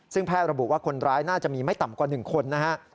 ซึ่งแพทย์ระบุว่าคนร้ายน่าจะมีไม่ต่ำกว่า๑คนนะฮะ